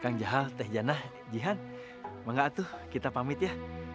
kang jahal teh janah jihan bangga atu kita pamit ya